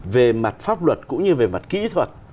về mặt pháp luật cũng như về mặt kỹ thuật